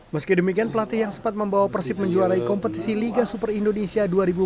meski demikian pelatih yang sempat membawa persib menjuarai kompetisi liga super indonesia dua ribu dua puluh